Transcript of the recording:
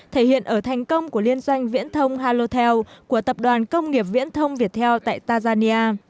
thể hiện ở thành công của liên doanh viễn thông halothel của tập đoàn công nghiệp viễn thông việt thel tại tanzania